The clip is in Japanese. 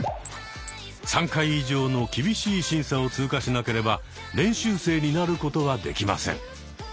３回以上の厳しい審査を通過しなければ練習生になることはできません。